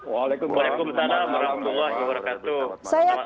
waalaikumsalam assalamualaikum wr wb